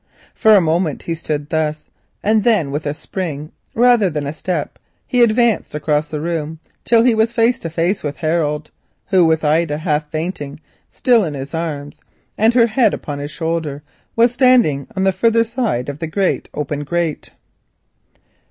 For a moment he stood thus. Then with a spring rather than a step, he advanced across the room till he was face to face with Harold, who, with Ida still half fainting in his arms, and her head upon his shoulder, was standing on the further side of the fire place.